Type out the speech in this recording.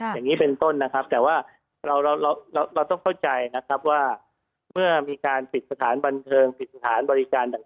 อย่างนี้เป็นต้นนะครับแต่ว่าเราเราต้องเข้าใจนะครับว่าเมื่อมีการปิดสถานบันเทิงปิดสถานบริการต่าง